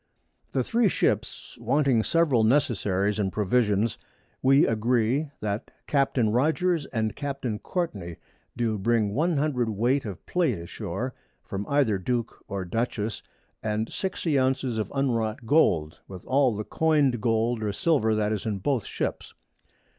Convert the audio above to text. The Three Ships wanting several Necessaries and Provisions, we agree, that Captain Rogers and Captain Courtney do bring 100 Weight of Plate a shoar from either Duke or Dutchess _, and 60 Ounces of unwrought Gold, with all the coined Gold or Silver that is in both Ships.